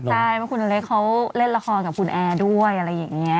ใช่เพราะคุณอเล็กเขาเล่นละครกับคุณแอร์ด้วยอะไรอย่างนี้